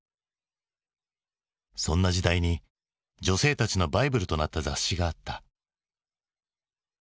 そんな時代に女性たちのバイブルとなった雑誌があった。